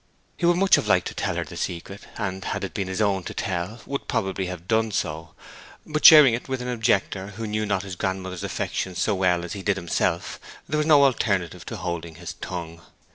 He would much have liked to tell her the secret, and, had it been his own to tell, would probably have done so; but sharing it with an objector who knew not his grandmother's affection so well as he did himself, there was no alternative to holding his tongue.